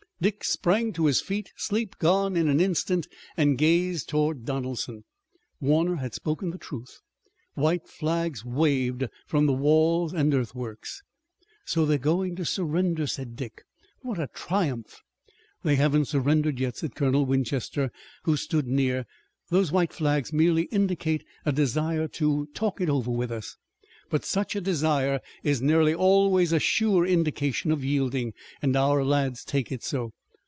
Dick sprang to his feet, sleep gone in an instant, and gazed toward Donelson. Warner had spoken the truth. White flags waved from the walls and earthworks. "So they're going to surrender!" said Dick. "What a triumph!" "They haven't surrendered yet," said Colonel Winchester, who stood near. "Those white flags merely indicate a desire to talk it over with us, but such a desire is nearly always a sure indication of yielding, and our lads take it so.